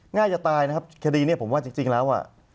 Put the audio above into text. ง่ายจะตายนะครับคดีนี้ผมว่าจริงแล้ว